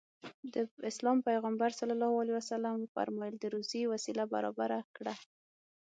د اسلام پيغمبر ص وفرمايل د روزي وسيله برابره کړه.